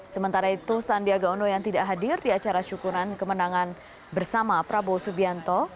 sementara itu sandiaga uno yang tidak hadir di acara syukuran kemenangan bersama prabowo subianto